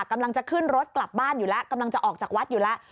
กำลังจะขึ้นรถกลับบ้านอยู่แล้วกำลังจะออกจากวัดอยู่แล้ว